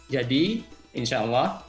jadi insya allah